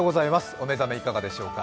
お目覚めいかがでしょうか？